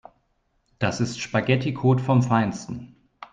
Das ist Spaghetticode vom Feinsten.